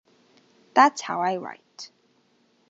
That's how I write.